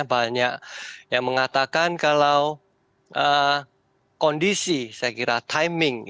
banyak yang mengatakan kalau kondisi saya kira timing